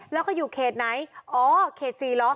แล้วก็อยู่เครถไหนอ้อเครถสี่หรอ